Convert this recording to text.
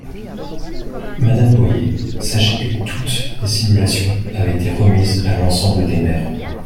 Madame Boyer, sachez que toutes les simulations avaient été remises à l’ensemble des maires.